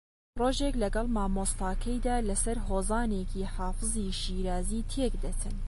ڕۆژێک لەگەڵ مامۆستاکەیدا لەسەر ھۆزانێکی حافزی شیرازی تێکدەچن